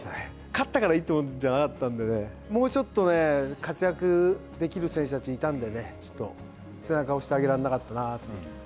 勝ったからいいってもんじゃなかったんでね、もうちょっとね、活躍できる選手たちいたんでね、ちょっと背中を押してあげられなかったなって。